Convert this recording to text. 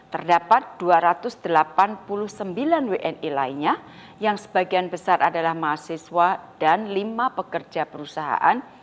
terdapat dua ratus delapan puluh sembilan wni lainnya yang sebagian besar adalah mahasiswa dan lima pekerja perusahaan